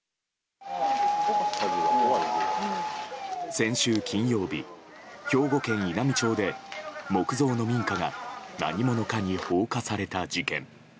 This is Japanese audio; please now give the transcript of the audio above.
先週金曜日、兵庫県稲美町で木造の民家が何者かに放火された事件。